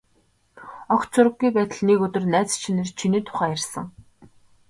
Огт сураггүй байтал нэг өдөр найз чинь ирж, чиний тухай ярьсан.